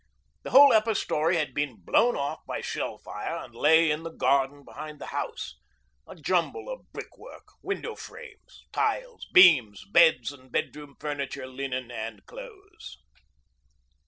The whole upper storey had been blown off by shell fire and lay in the garden behind the house, a jumble of brickwork, window frames, tiles, beams, beds and bedroom furniture, linen, and clothes.